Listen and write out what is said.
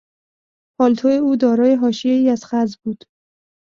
پالتو او دارای حاشیهای از خز بود.